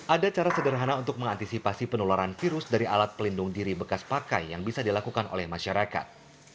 ada cara sederhana untuk mengantisipasi penularan virus dari alat pelindung diri bekas pakai yang bisa dilakukan oleh masyarakat